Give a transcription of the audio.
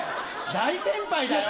大先輩だよ！